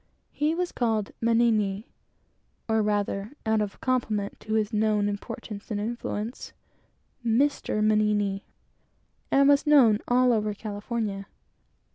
He was called Mannini, or rather, out of compliment to his known importance and influence, Mr. Mannini and was known all over California.